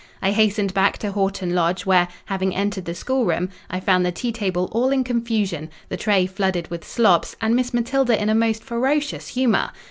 I hastened back to Horton Lodge, where, having entered the schoolroom, I found the tea table all in confusion, the tray flooded with slops, and Miss Matilda in a most ferocious humour.